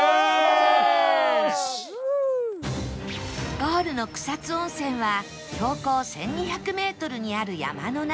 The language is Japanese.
ゴールの草津温泉は標高１２００メートルにある山の中